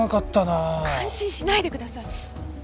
感心しないでください！